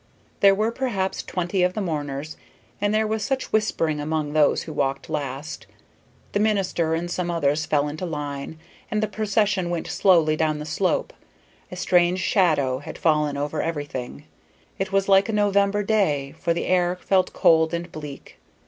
There were perhaps twenty of the mourners, and there was much whispering among those who walked last. The minister and some others fell into line, and the procession went slowly down the slope; a strange shadow had fallen over everything. It was like a November day, for the air felt cold and bleak.